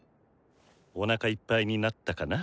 おなかいっぱいになったかな？